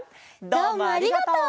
どうもありがとう！